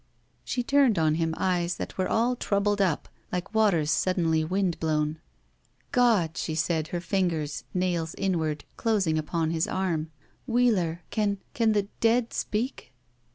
She turned on him eyes that were all troubled up, like waters suddenly wind blown. "God!" she said, her fingers, nails inward, closing about his arm. "Wheeler — can — can the — dead — speak?"